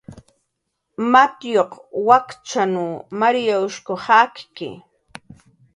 Matiyuq Kachyanw Marinawshq jakki